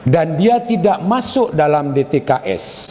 dan dia tidak masuk dalam dtks